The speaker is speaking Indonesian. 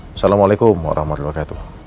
assalamualaikum warahmatullahi wabarakatuh